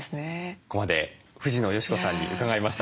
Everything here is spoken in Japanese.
ここまで藤野嘉子さんに伺いました。